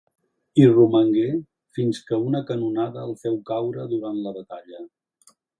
Hi romangué fins que una canonada el féu caure durant la batalla.